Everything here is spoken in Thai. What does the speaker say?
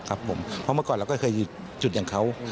เพราะเมื่อก่อนเราก็เคยอยู่จุดอย่างเขา